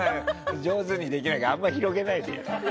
上手にできないからあまり広げないでよ。